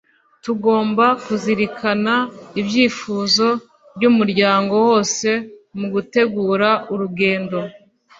tugomba kuzirikana ibyifuzo byumuryango wose mugutegura urugendo